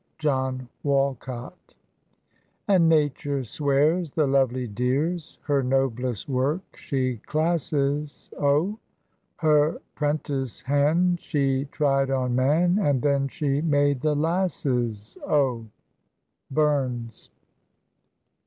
JOHN WALCOT. "And Nature swears, the lovely dears Her noblest work she classes, O; Her 'prentice han' she tried on man, And then she made the lasses, O." BURNS.